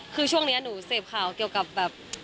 คือช่วงนี้หนูเสพข่าวเกี่ยวกับแบบ